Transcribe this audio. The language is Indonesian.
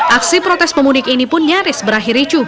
aksi protes pemudik ini pun nyaris berakhir icu